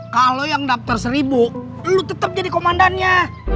kalau yang daftar seribu lu tetap jadi komandannya